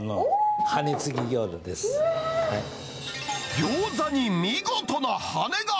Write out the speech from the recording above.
餃子に見事な羽根が。